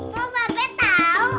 lo babi tau